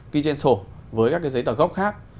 ghi trên sổ với các giấy tờ gốc khác